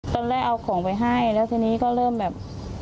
ตอนแรกเอาของไปให้แล้วทีนี้ก็เริ่มแบบ